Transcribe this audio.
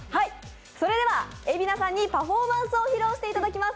それでは、蛯名さんにパフォーマンスを披露していただきます。